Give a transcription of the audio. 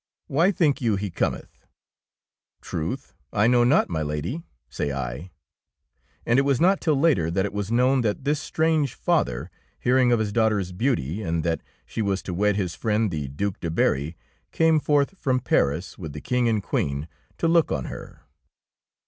Why think you he cometh ? 31 DEEDS OF DABING Truth, I know not, my Lady,^^ say I ; and it was not till later that it was known that this strange father, hearing of his daughter's beauty and that she was to wed his friend the Due de Berry, came forth from Paris with the King and Queen to look on her.